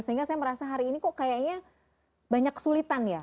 sehingga saya merasa hari ini kok kayaknya banyak kesulitan ya